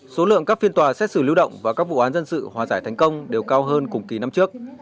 số lượng các phiên tòa xét xử lưu động và các vụ án dân sự hòa giải thành công đều cao hơn cùng kỳ năm trước